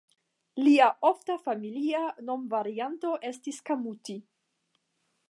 Lia ofta familia nomvarianto estis Kamuti.